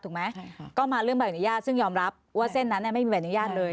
ก็มาเรื่องใบอนุญาตซึ่งยอมรับว่าเส้นนั้นไม่มีใบอนุญาตเลย